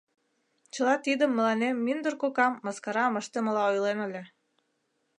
Чыла тидым мыланем мӱндыр кокам мыскарам ыштымыла ойлен ыле.